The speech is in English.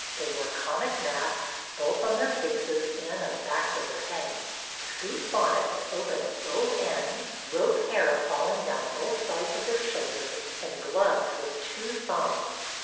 They wore comic masks, both on their faces and on the backs of their heads, scoop bonnets ojjen at both ends, rope hair falling down both sides of their shoulders, and gloves with two thumbs.